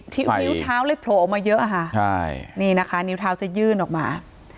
นิ้วเท้าเลยโผล่ออกมาเยอะค่ะใช่นี่นะคะนิ้วเท้าจะยื่นออกมา